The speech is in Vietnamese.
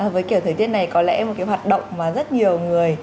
với kiểu thời tiết này có lẽ một cái hoạt động mà rất nhiều người